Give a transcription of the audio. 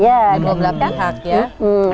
ada dua belah pihak ya